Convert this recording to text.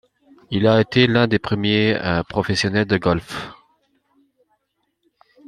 Il a été l'un des premiers professionnels de golf.